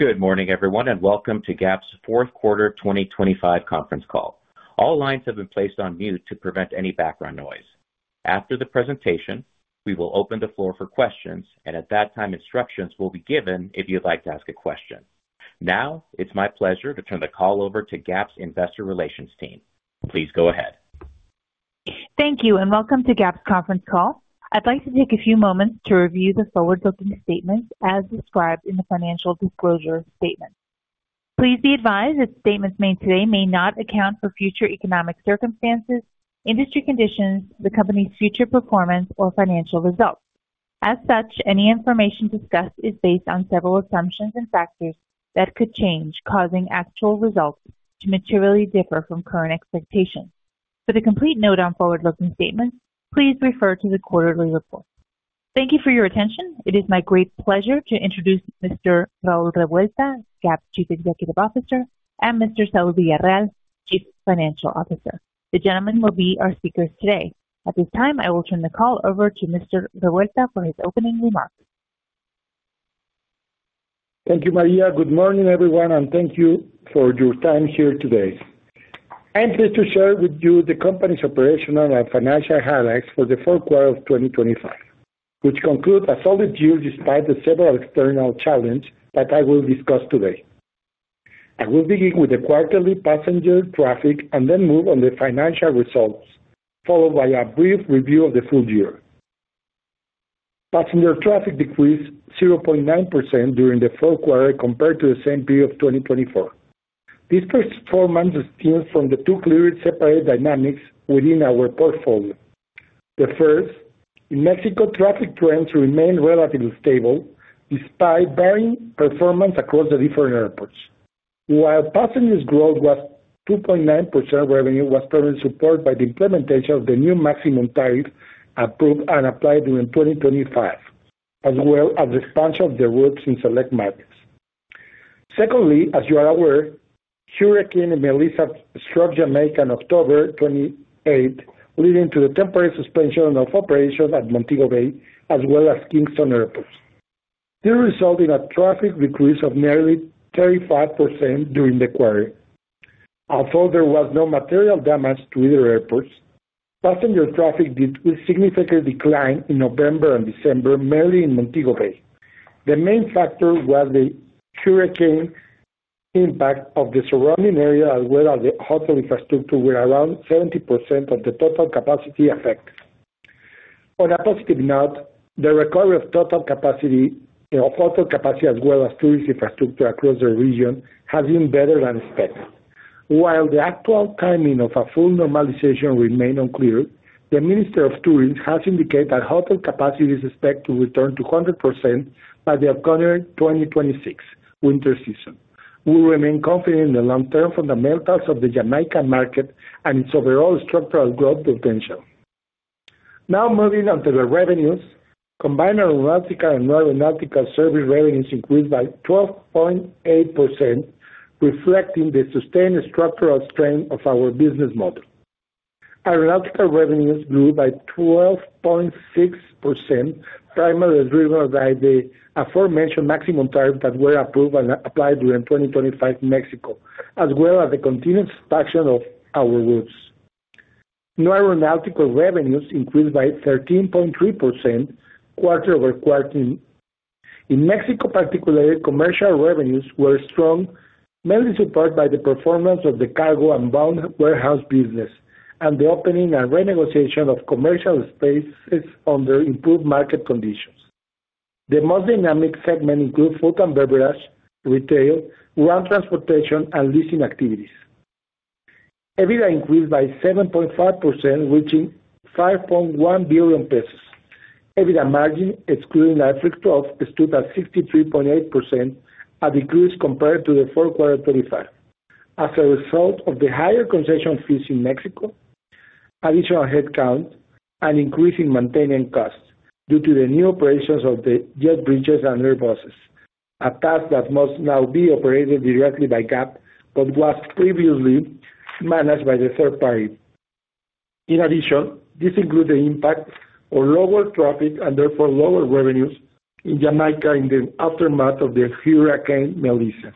Good morning, everyone. Welcome to GAP's fourth quarter of 2025 conference call. All lines have been placed on mute to prevent any background noise. After the presentation, we will open the floor for questions. At that time, instructions will be given if you'd like to ask a question. Now, it's my pleasure to turn the call over to GAP's Investor Relations team. Please go ahead. Thank you, welcome to GAP's conference call. I'd like to take a few moments to review the forward-looking statements as described in the financial disclosure statement. Please be advised that statements made today may not account for future economic circumstances, industry conditions, the company's future performance, or financial results. As such, any information discussed is based on several assumptions and factors that could change, causing actual results to materially differ from current expectations. For the complete note on forward-looking statements, please refer to the quarterly report. Thank you for your attention. It is my great pleasure to introduce Mr. Raúl Revuelta, GAP's Chief Executive Officer, and Mr. Saul Villarreal, Chief Financial Officer. The gentlemen will be our speakers today. At this time, I will turn the call over to Mr. Revuelta for his opening remarks. Thank you, Alejandra. Good morning, everyone, and thank you for your time here today. I'm pleased to share with you the company's operational and financial highlights for the fourth quarter of 2025, which conclude a solid year despite the several external challenge that I will discuss today. I will begin with the quarterly passenger traffic and then move on the financial results, followed by a brief review of the full year. Passenger traffic decreased 0.9% during the fourth quarter compared to the same period of 2024. This first four months is still from the two clear separate dynamics within our portfolio. The first, in Mexico, traffic trends remain relatively stable despite varying performance across the different airports. While passengers growth was 2.9%, revenue was further supported by the implementation of the new Maximum Tariff approved and applied during 2025, as well as expansion of the routes in select markets. As you are aware, Hurricane Melissa struck Jamaica on October 28, leading to the temporary suspension of operations at Montego Bay as well as Kingston airports. This resulted in a traffic decrease of nearly 35% during the quarter. Although there was no material damage to either airports, passenger traffic did significantly decline in November and December, mainly in Montego Bay. The main factor was the hurricane impact of the surrounding area, as well as the hotel infrastructure, where around 70% of the total capacity affects. On a positive note, the recovery of total capacity, of hotel capacity as well as tourist infrastructure across the region has been better than expected. While the actual timing of a full normalization remain unclear, the Minister of Tourism has indicated that hotel capacity is expected to return to 100% by the upcoming 2026 winter season. We remain confident in the long-term fundamentals of the Jamaican market and its overall structural growth potential. Moving on to the revenues. Combined aeronautical and non-aeronautical service revenues increased by 12.8%, reflecting the sustained structural strength of our business model. Aeronautical revenues grew by 12.6%, primarily driven by the aforementioned Maximum Tariff that was approved and applied during 2025 in Mexico, as well as the continued expansion of our routes. Non-aeronautical revenues increased by 13.3% quarter-over-quarter. In Mexico particularly, commercial revenues were strong, mainly supported by the performance of the cargo and bound warehouse business and the opening and renegotiation of commercial spaces under improved market conditions. The most dynamic segment includes food and beverage, retail, ground transportation, and leasing activities. EBITDA increased by 7.5%, reaching 5.1 billion pesos. EBITDA margin, excluding IFRS 12, stood at 63.8%, a decrease compared to the fourth quarter 2025. As a result of the higher concession fees in Mexico, additional headcount and increase in maintaining costs due to the new operations of the jet bridges and apron buses, a task that must now be operated directly by GAP, but was previously managed by the third party. This includes the impact on lower traffic and therefore lower revenues in Jamaica in the aftermath of the Hurricane Melissa.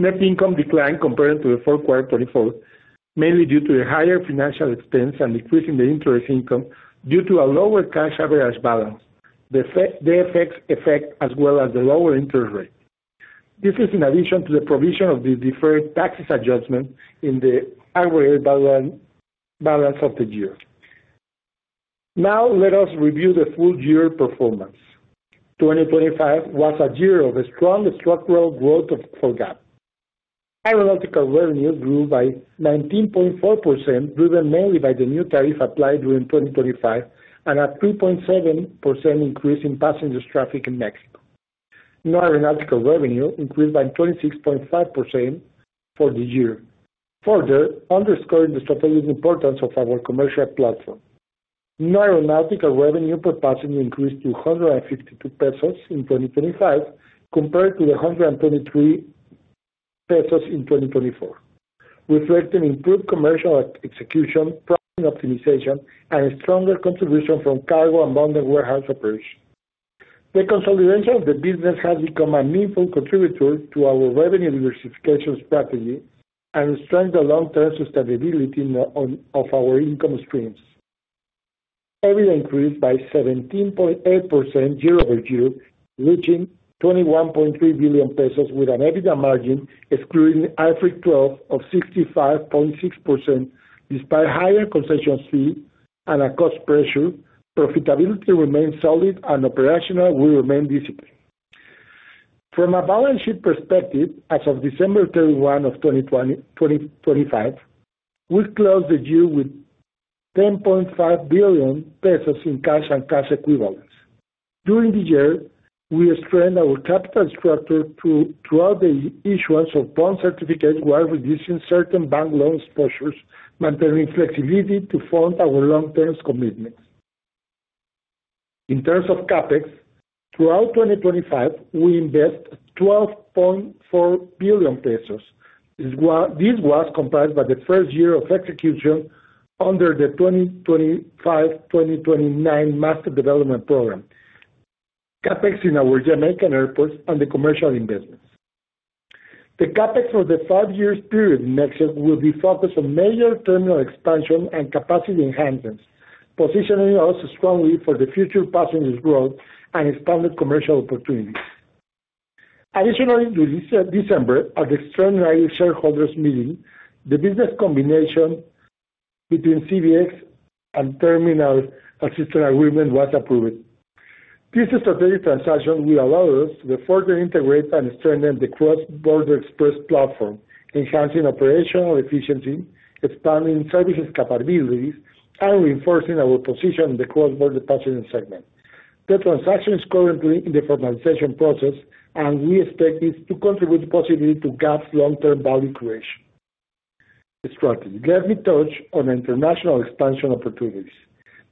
Net, net income declined compared to the fourth quarter 2024, mainly due to the higher financial expense and decrease in the interest income due to a lower cash average balance. The effects as well as the lower interest rate. This is in addition to the provision of the deferred taxes adjustment in the aggregate balance of the year. Let us review the full year performance. 2025 was a year of a strong structural growth for GAP. Aeronautical revenues grew by 19.4%, driven mainly by the new tariff applied during 2025 and a 3.7% increase in passengers traffic in Mexico. Non-aeronautical revenue increased by 26.5% for the year, further underscoring the strategic importance of our commercial platform. Non-aeronautical revenue per passenger increased to 152 pesos in 2025, compared to the 123 pesos in 2024, reflecting improved commercial execution, pricing optimization, and stronger contribution from cargo and modern warehouse operations. The consolidation of the business has become a meaningful contributor to our revenue diversification strategy and strengthen the long-term sustainability of our income streams. EBITDA increased by 17.8% year-over-year, reaching 21.3 billion pesos, with an EBITDA margin excluding IFRS 12 of 65.6%. Despite higher concession fees and a cost pressure, profitability remains solid and operational will remain disciplined. From a balance sheet perspective, as of December 31 of 2025, we closed the year with 10.5 billion pesos in cash and cash equivalents. During the year, we strengthened our capital structure throughout the issuance of bond certificates, while reducing certain bank loans postures, maintaining flexibility to fund our long-term commitments. In terms of CapEx, throughout 2025, we invested 12.4 billion pesos. This was comprised by the first year of execution under the 2025-2029 Master Development Program, CapEx in our Jamaican airports, and the commercial investments. The CapEx for the five-year period next year will be focused on major terminal expansion and capacity enhancements, positioning us strongly for the future passengers growth and expanded commercial opportunities. In December, at the Extraordinary Shareholders Meeting, the business combination between CBX and Terminal Agreement was approved. This strategic transaction will allow us to further integrate and strengthen the Cross Border Xpress platform, enhancing operational efficiency, expanding services capabilities, and reinforcing our position in the cross-border passenger segment. The transaction is currently in the formalization process. We expect this to contribute positively to GAP's long-term value creation strategy. Let me touch on international expansion opportunities.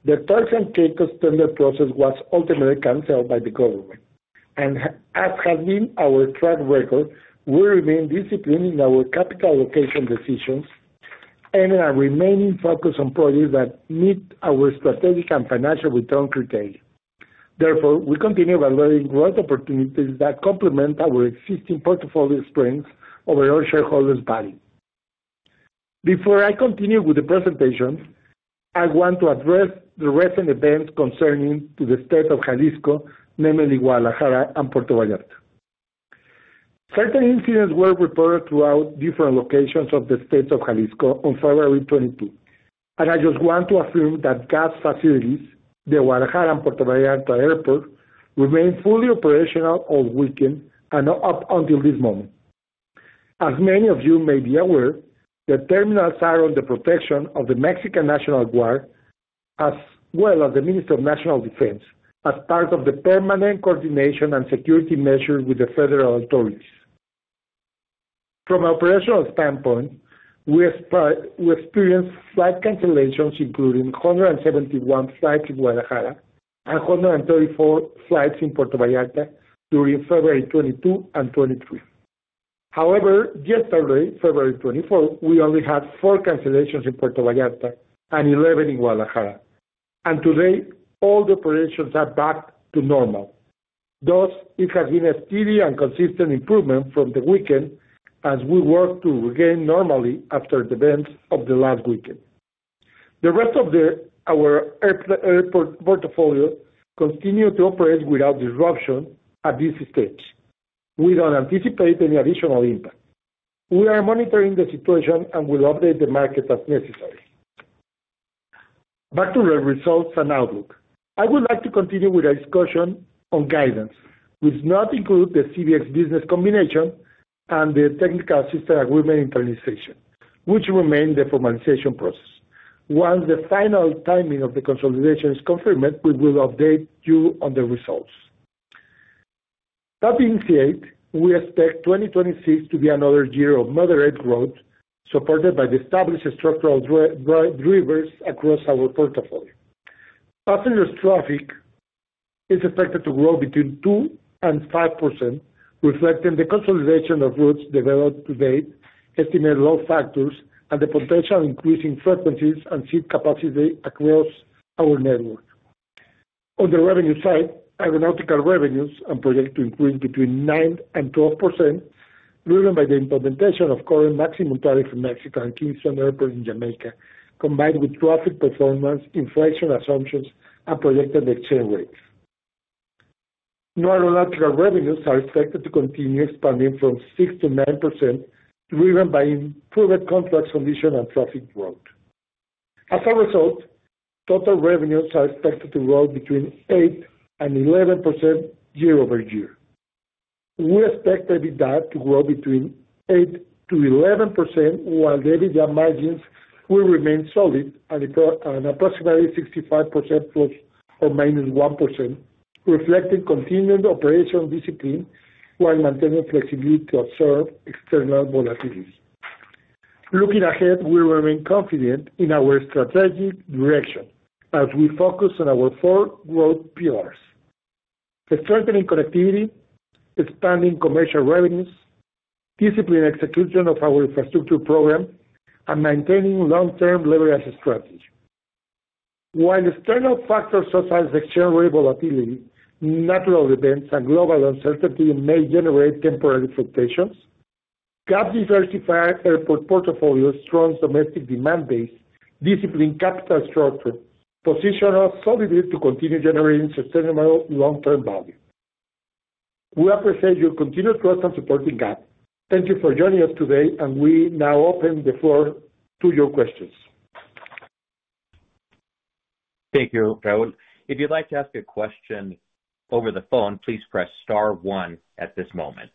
The Turks and Caicos tender process was ultimately canceled by the government. As has been our track record, we remain disciplined in our capital allocation decisions and are remaining focused on projects that meet our strategic and financial return criteria. Therefore, we continue evaluating growth opportunities that complement our existing portfolio strengths over our shareholders' value. Before I continue with the presentation, I want to address the recent events concerning to the state of Jalisco, namely Guadalajara and Puerto Vallarta. Certain incidents were reported throughout different locations of the state of Jalisco on February 22, and I just want to affirm that GAP's facilities, the Guadalajara and Puerto Vallarta Airport, remained fully operational all weekend and up until this moment. As many of you may be aware, the terminals are under the protection of the Mexican National Guard, as well as the Minister of National Defense, as part of the permanent coordination and security measures with the federal authorities. From an operational standpoint, we experienced flight cancellations, including 171 flights in Guadalajara and 134 flights in Puerto Vallarta during February 22 and 23. However, yesterday, February 24, we only had four cancellations in Puerto Vallarta and 11 in Guadalajara, and today all the operations are back to normal. Thus, it has been a steady and consistent improvement from the weekend as we work to regain normally after events of the last weekend. The rest of our airport portfolio continue to operate without disruption at this stage. We don't anticipate any additional impact. We are monitoring the situation and will update the market as necessary. Back to the results and outlook. I would like to continue with a discussion on guidance, which does not include the CBX business combination and the technical assistant agreement internalization, which remain in the formalization process. Once the final timing of the consolidation is confirmed, we will update you on the results. Starting with C8, we expect 2026 to be another year of moderate growth, supported by the established structural drivers across our portfolio. Passengers traffic is expected to grow between 2% and 5%, reflecting the consolidation of routes developed to date, estimated load factors, and the potential increase in frequencies and seat capacity across our network. On the revenue side, aeronautical revenues are projected to increase between 9% and 12%, driven by the implementation of current Maximum Tariff in Mexico and Kingston Airport in Jamaica, combined with traffic performance, inflation assumptions, and projected exchange rates. Non-aeronautical revenues are expected to continue expanding from 6% to 9%, driven by improved contract solution and traffic growth. As a result, total revenues are expected to grow between 8% and 11% year over year. We expect EBITDA to grow between 8% to 11%, while the EBITDA margins will remain solid at approximately 65% ±1%, reflecting continued operational discipline, while maintaining flexibility to absorb external volatilities. Looking ahead, we remain confident in our strategic direction as we focus on our four growth pillars: strengthening connectivity, expanding commercial revenues, disciplined execution of our infrastructure program, and maintaining long-term leverage strategy. While external factors such as exchange rate volatility, natural events, and global uncertainty may generate temporary fluctuations, GAP's diversified airport portfolio, strong domestic demand base, disciplined capital structure, position us solidly to continue generating sustainable long-term value. We appreciate your continued trust and support in GAP. Thank you for joining us today, and we now open the floor to your questions. Thank you, Raul. If you'd like to ask a question over the phone, please press star one at this moment.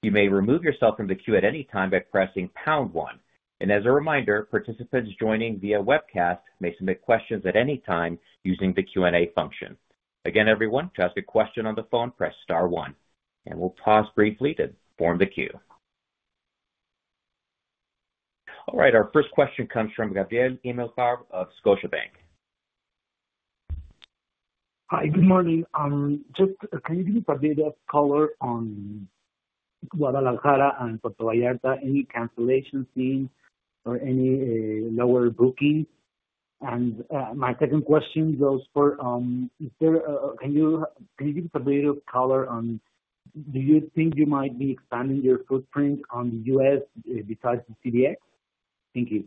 You may remove yourself from the queue at any time by pressing pound one. As a reminder, participants joining via webcast may submit questions at any time using the Q&A function. Again, everyone, to ask a question on the phone, press star one, and we'll pause briefly to form the queue. All right. Our first question comes from Gabriel Himelfarb of Scotiabank. Hi, good morning. Just can you give a bit of color on Guadalajara and Puerto Vallarta, any cancellation seen or any lower booking? My second question goes for, is there, can you give a bit of color on, do you think you might be expanding your footprint on the U.S. besides the CBX? Thank you.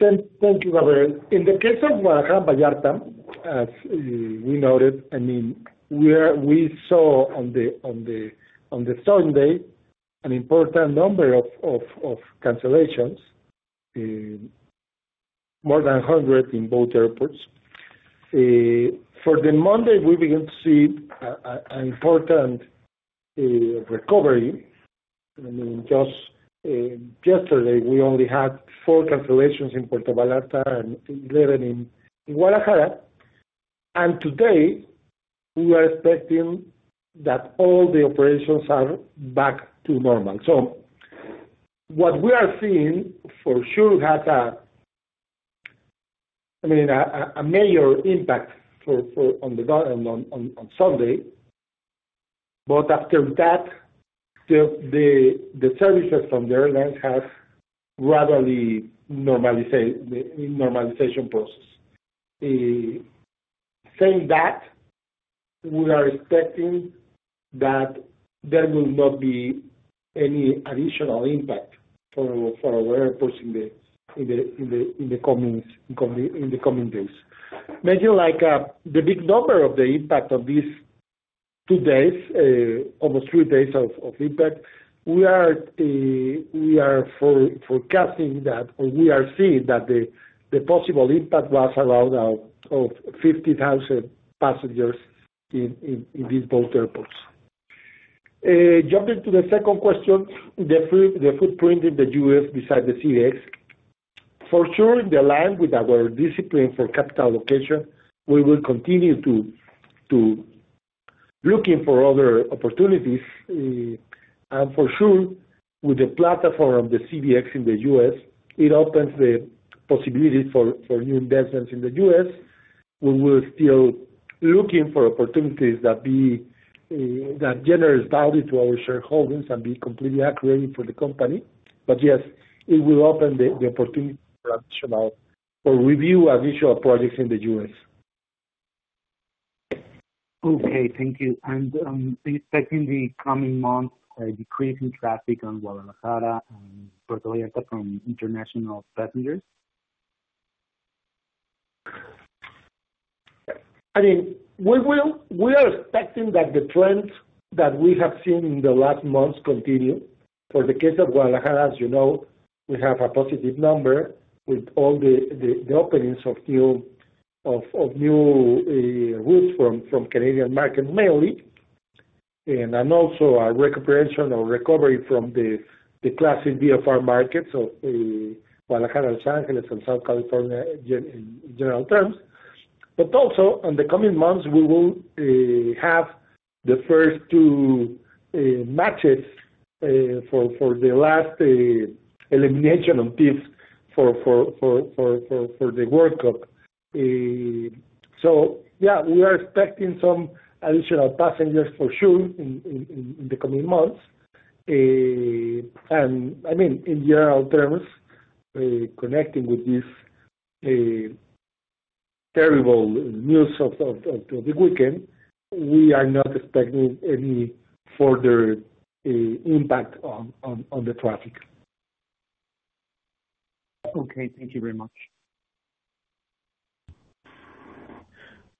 Thank you, Gabriel. In the case of Guadalajara and Vallarta, as we noted, I mean, we saw on the Sunday, an important number of cancellations, more than 100 in both airports. For the Monday, we began to see an important recovery. I mean, just yesterday, we only had four cancellations in Puerto Vallarta and 11 in Guadalajara. Today, we are expecting that all the operations are back to normal. What we are seeing for sure had a, I mean, a major impact for on the ground on Sunday. But after that, the services from the airlines have gradually normalize, the normalization process. Saying that, we are expecting that there will not be any additional impact for our airports in the coming days. Measuring like the big number of the impact of these two days, almost three days of impact, we are forecasting that, or we are seeing that the possible impact was around of 50,000 passengers in these both airports. Jumping to the second question, the footprint in the U.S. besides the CBX. For sure, in line with our discipline for capital allocation, we will continue to looking for other opportunities, and for sure, with the platform of the CBX in the U.S., it opens the possibilities for new investments in the U.S. We will still looking for opportunities that be, that generates value to our shareholders and be completely accurate for the company. Yes, it will open the opportunity for additional or review additional projects in the U.S. Okay, thank you. Expecting the coming months, a decrease in traffic in Guadalajara and Puerto Vallarta from international passengers? I mean, We are expecting that the trends that we have seen in the last months continue. For the case of Guadalajara, as you know, we have a positive number with all the openings of new routes from Canadian market mainly, and also our recuperation or recovery from the classic VFR market. Guadalajara, Los Angeles, and South California, in general terms. In the coming months, we will have the first two matches for the last elimination on this for the World Cup. Yeah, we are expecting some additional passengers for sure in the coming months. I mean, in general terms, connecting with this terrible news of the weekend, we are not expecting any further impact on the traffic. Okay, thank you very much.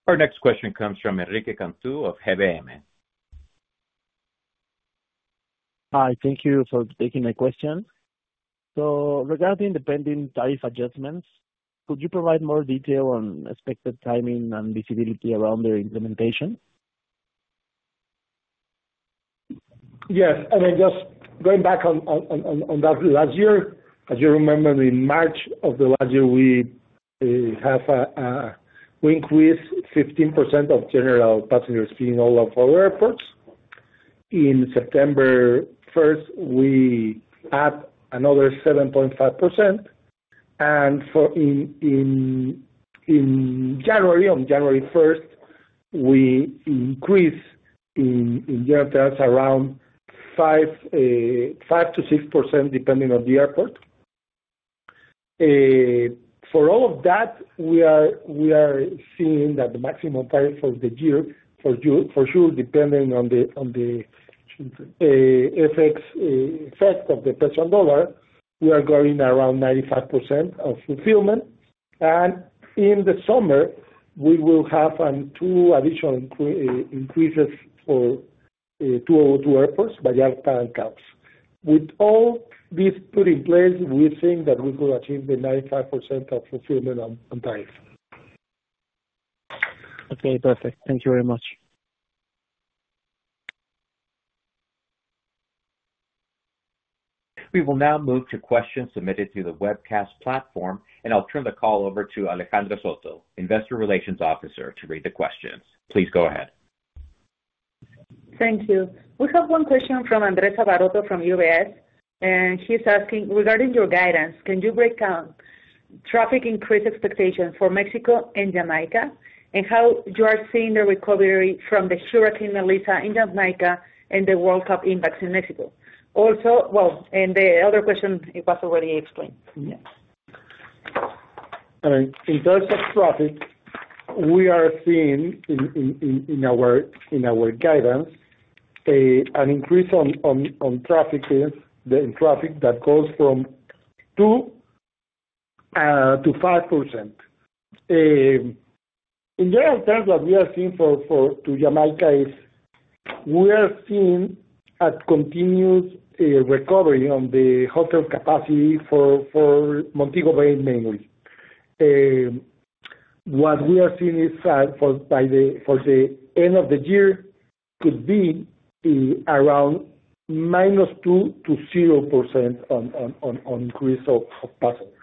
Our next question comes from Enrique Cantú of GBM. Hi, thank you for taking my question. Regarding the pending tariff adjustments, could you provide more detail on expected timing and visibility around the implementation? Yes. I mean, just going back on that last year, as you remember, in March of the last year, We have, we increased 15% of general passenger seating all of our airports. In September 1st, we add another 7.5%, for January, on January 1st, we increase in general terms, around 5%-6%, depending on the airport. For all of that, we are seeing that the maximum price for the year, for sure, depending on the effects, effect of the petrodollar, we are growing around 95% of fulfillment. In the summer, we will have two additional increases for two of our airports, Vallarta and Los Cabos. With all these put in place, we think that we could achieve the 95% of fulfillment on time. Okay, perfect. Thank you very much. We will now move to questions submitted through the webcast platform. I'll turn the call over to Alejandra Soto, Investor Relations Officer, to read the questions. Please go ahead. Thank you. We have one question from Alberto Valerio from UBS, and he's asking: Regarding your guidance, can you break down traffic increase expectations for Mexico and Jamaica, and how you are seeing the recovery from the Hurricane Melissa in Jamaica and the World Cup impact in Mexico? Well, the other question, it was already explained. Yes. In terms of traffic, we are seeing in our guidance an increase on traffic, the in traffic that goes from 2%-5%. In general terms, what we are seeing for Jamaica is we are seeing a continuous recovery on the hotel capacity for Montego Bay, mainly. What we are seeing is that for the end of the year could be around -2% to 0% on increase of passengers.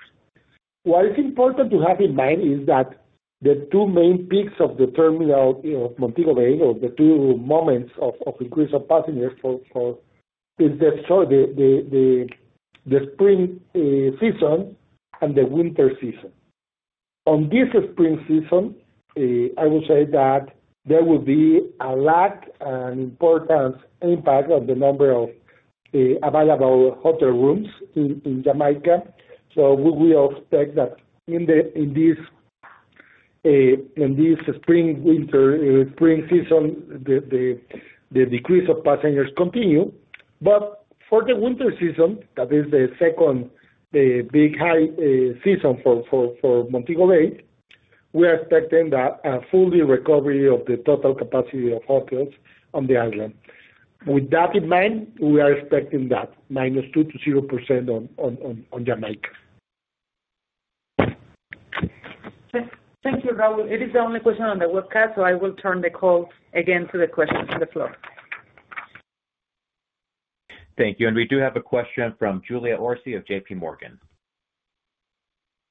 What is important to have in mind is that the two main peaks of the terminal, you know, Montego Bay, or the two moments of increase of passengers is the spring season and the winter season. On this spring season, I will say that there will be a large and important impact of the number of available hotel rooms in Jamaica. We will expect that in this spring, winter, spring season, the decrease of passengers continue. For the winter season, that is the second big high season for Montego Bay, we are expecting that a fully recovery of the total capacity of hotels on the island. With that in mind, we are expecting that -2% to 0% on Jamaica. Thank you, Raúl. It is the only question on the webcast, so I will turn the call again to the question on the floor. Thank you. We do have a question from Julia Orsi of JPMorgan.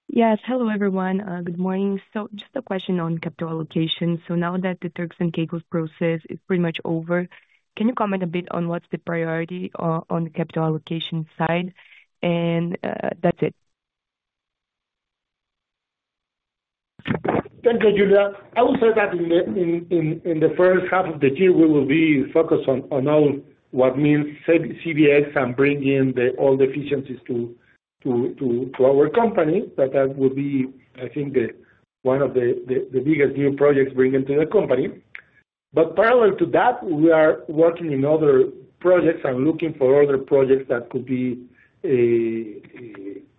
Yes. Hello, everyone. Good morning. Just a question on capital allocation. Now that the Turks and Caicos process is pretty much over, can you comment a bit on what's the priority on the capital allocation side? That's it. Thank you, Julia. I will say that in the first half of the year, we will be focused on all what means CBX and bring in all the efficiencies to our company. That will be, I think, the one of the biggest new projects bringing to the company. Parallel to that, we are working in other projects and looking for other projects that could be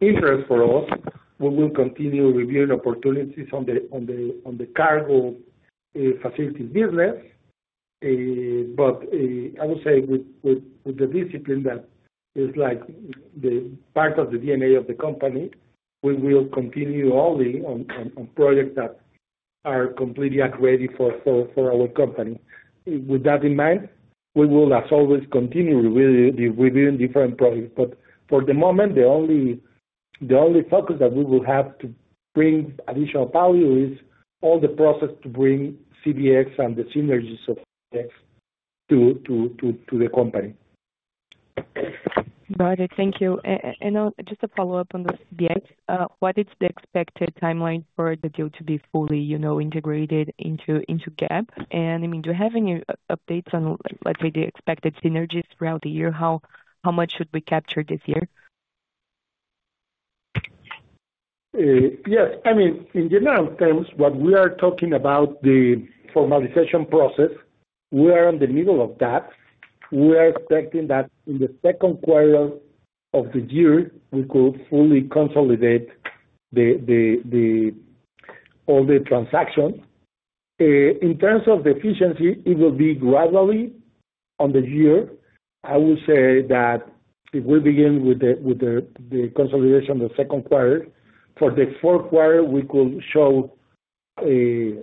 interest for us. We will continue reviewing opportunities on the cargo facilities business. I would say with the discipline that is like the part of the D&A of the company, we will continue only on projects that are completely accredited for our company. With that in mind, we will, as always, continue reviewing different projects, but for the moment, the only focus that we will have to bring additional value is all the process to bring CBX and the synergies of CBX to the company. Got it. Thank you. Just a follow-up on the CBX. What is the expected timeline for the deal to be fully, you know, integrated into GAP? I mean, do you have any updates on, like, maybe the expected synergies throughout the year? How much should we capture this year? Yes. I mean, in general terms, what we are talking about the formalization process, we are in the middle of that. We are expecting that in the second quarter of the year, we could fully consolidate all the transactions. In terms of the efficiency, it will be gradually on the year. I will say that it will begin with the consolidation of the second quarter. For the fourth quarter, we could show a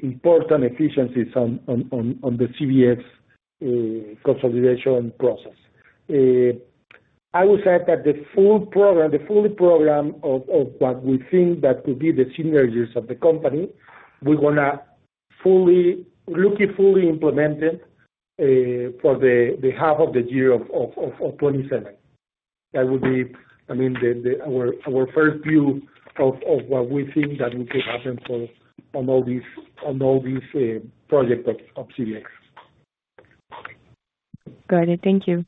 important efficiencies on the CBX consolidation process. I would say that the full program of what we think that could be the synergies of the company, we're gonna look it fully implemented for the half of the year of 2027. That would be, I mean, the... our first view of what we think that will happen for on all these project of CBX. Got it. Thank you.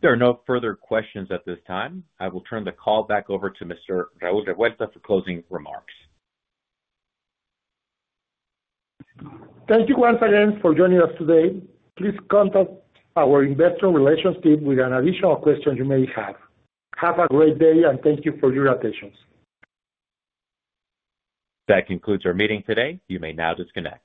There are no further questions at this time. I will turn the call back over to Mr. Raúl Revuelta for closing remarks. Thank you once again for joining us today. Please contact our investor relations team with any additional questions you may have. Have a great day, and thank you for your attention That concludes our meeting today. You may now disconnect.